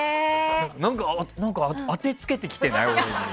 何か当てつけに来てない？